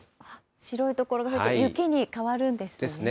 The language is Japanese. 白い所が増えて、雪に変わるんですね。ですね。